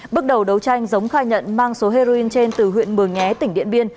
bước đầu đấu tranh giống khai nhận mang số heroin trên từ huyện mường nhé tỉnh điện biên